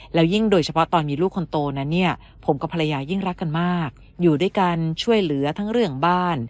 แล้วยิ่งโดยเฉพาะตอนมีลูกคนโตนั้นเนี่ยผมกับภรรยายิ่งรักกันมากอยู่ด้วยกันช่วยเหลือทั้งเรื่องบ้าน